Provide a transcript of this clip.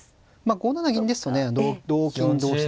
５七銀ですとね同金同飛車